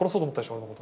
俺のこと。